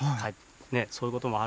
ねっそういうことも。